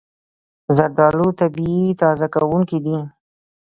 زردالو طبیعي تازه کوونکی دی.